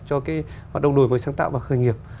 cho cái hoạt động đối với sáng tạo và khởi nghiệp